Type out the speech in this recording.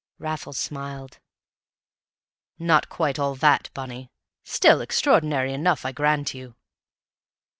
Raffles smiled. "Not quite all that, Bunny; still, extraordinary enough, I grant you."